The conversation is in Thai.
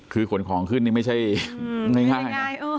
คือขนของขึ้นนี่ไม่ใช่ง่ายนะ